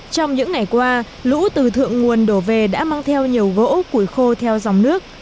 trong những ngày qua lũ từ thượng nguồn đổ về đã mang theo nhiều gỗ củi khô theo dòng nước